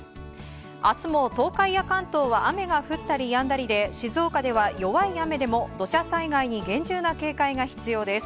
明日も東海や関東は雨が降ったりやんだりで静岡では弱い雨でも土砂災害に厳重な警戒が必要です。